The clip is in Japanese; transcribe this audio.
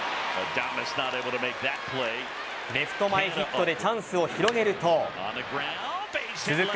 レフト前ヒットでチャンスを広げると続く